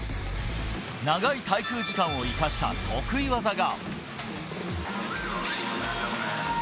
長い滞空時間を生かした得意技が。